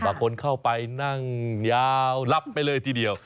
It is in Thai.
คนเข้าไปนั่งยาวลับไปเลยทีเดียว